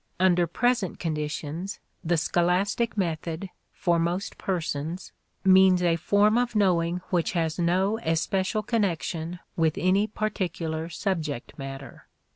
Under present conditions the scholastic method, for most persons, means a form of knowing which has no especial connection with any particular subject matter.